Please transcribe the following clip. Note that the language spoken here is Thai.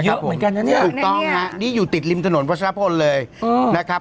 โอ้โหเยอะเหมือนกันน่ะเนี่ยนี่อยู่ติดริมถนนวัชนพลเลยนะครับ